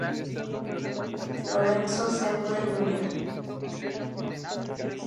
Lorenzo Semple, Jr.